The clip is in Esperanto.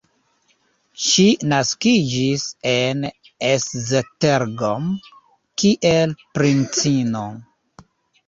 Ŝi naskiĝis en Esztergom, kiel princino.